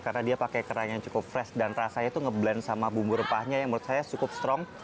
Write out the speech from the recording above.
karena dia pakai kerang yang cukup fresh dan rasanya tuh ngeblend sama bumbu rempahnya yang menurut saya cukup strong